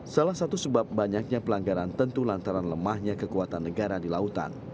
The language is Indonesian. salah satu sebab banyaknya pelanggaran tentu lantaran lemahnya kekuatan negara di lautan